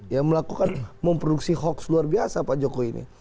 ya melakukan memproduksi hoax luar biasa pak jokowi ini